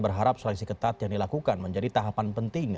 berharap seleksi ketat yang dilakukan menjadi tahapan penting